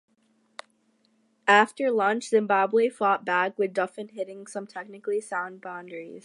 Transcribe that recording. After lunch, Zimbabwe fought back, with Duffin hitting some technically sound boundaries.